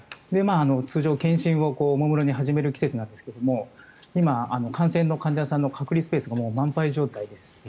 通常、検診をおもむろに始める季節なんですが今、感染の患者さんの隔離スペースが満杯状態です。